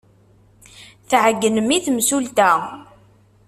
Tɛeyynem i temsulta.